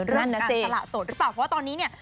เริ่มการสละสดดูต่อเพราะว่าตอนนี้เนี่ย